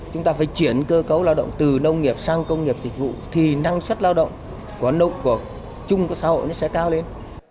chúng ta phải chuyển cơ cấu lao động từ nông nghiệp sang công nghiệp dịch vụ thì năng suất lao động của chung của xã hội nó sẽ cao lên